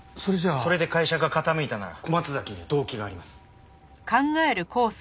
それで会社が傾いたなら小松崎には動機があります。